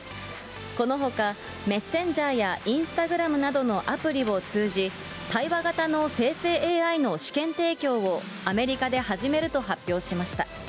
このほか、メッセンジャーやインスタグラムなどのアプリを通じ、対話型の生成ＡＩの試験提供を、アメリカで始めると発表しました。